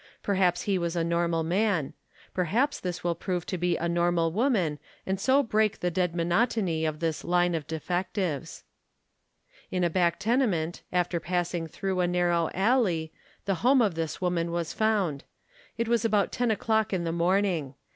Perhaps he was a normal man. Perhaps this will prove to be a normal woman and so break the dead monotony of this line of defectives. In a back tenement, after passing through a narrow alley, the home of this woman was found. It was about ten o'clock in the morning.